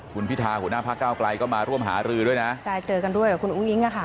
คุณพิธาหัวหน้าพระเก้าไกลก็มาร่วมหารือด้วยนะใช่เจอกันด้วยกับคุณอุ้งอิ๊งอะค่ะ